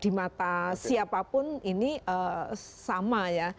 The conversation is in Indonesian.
di mata siapapun ini sama ya